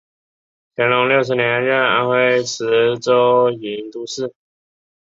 乾隆六十年任安徽池州营都司。